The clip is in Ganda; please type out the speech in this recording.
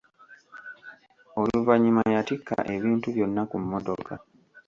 Oluvannyuma yatikka ebintu byonna ku mmotoka.